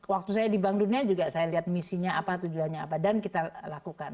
waktu saya di bank dunia juga saya lihat misinya apa tujuannya apa dan kita lakukan